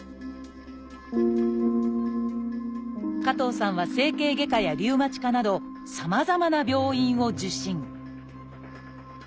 加藤さんは整形外科やリウマチ科などさまざまな病院を受診